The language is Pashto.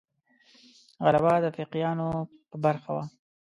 غلبه د فقیهانو په برخه وه.